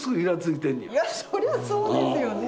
いやそりゃそうですよね。